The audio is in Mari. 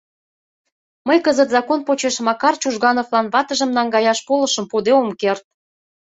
Мый кызыт закон почеш Макар Чужгановлан ватыжым наҥгаяш полышым пуыде ом керт.